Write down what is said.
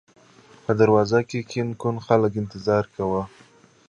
په دروازو کې ګڼ خلک انتظار کاوه.